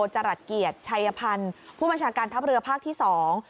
จรัสเกียรติชัยพันธ์ผู้บัญชาการทัพเรือภาคที่สอง